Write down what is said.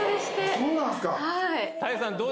そうなんすか。